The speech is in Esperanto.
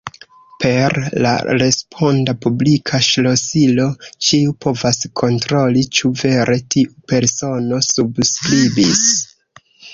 Per la responda publika ŝlosilo ĉiu povas kontroli, ĉu vere tiu persono subskribis.